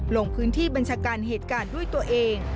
ลงพื้นที่บัญชาการเหตุการณ์ด้วยตัวเอง